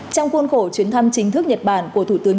trong khuôn khổ chuyến thăm chính thức nhật bản của thủ tướng